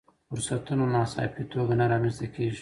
فرصتونه ناڅاپي توګه نه رامنځته کېږي.